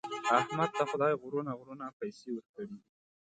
احمد ته خدای غرونه غرونه پیسې ورکړي دي.